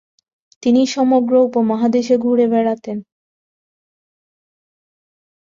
তিনি সমগ্র উপমহাদেশে ঘুরে বেড়ান।